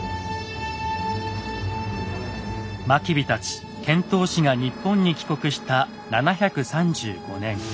真備たち遣唐使が日本に帰国した７３５年。